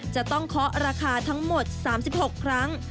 จะต้องเคาะราคาทั้งหมด๓๖ครั้ง